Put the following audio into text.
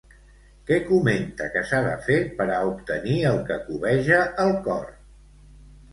Què comenta que s'ha de fer per a obtenir el que cobeja el cor?